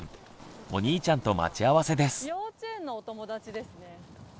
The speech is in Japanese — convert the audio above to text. お兄ちゃんと待ち合わせです。